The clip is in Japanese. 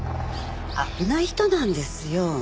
危ない人なんですよ。